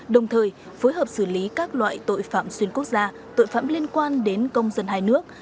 đồng thời phối hợp xử lý các loại tội phạm xuyên quốc gia tội phạm liên quan đến công dân hai nước